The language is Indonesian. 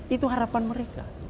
itu harapan mereka